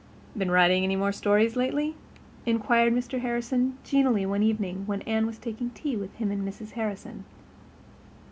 "Been writing any more stories lately?" inquired Mr. Harrison genially one evening when Anne was taking tea with him and Mrs. Harrison.